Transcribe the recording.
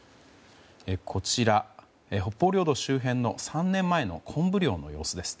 こちら、北方領土周辺の３年前の昆布漁の様子です。